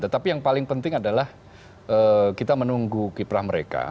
tetapi yang paling penting adalah kita menunggu kiprah mereka